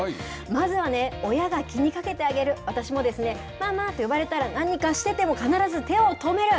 まずは親が気にかけてあげる、私もママと呼ばれたら、何かしてても、必ず手を止める。